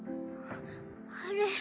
あれ？